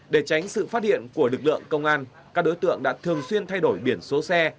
để tránh sự phát hiện của lực lượng công an các đối tượng đã thường xuyên thay đổi biển số xe